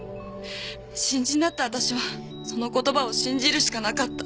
新人だった私はその言葉を信じるしかなかった。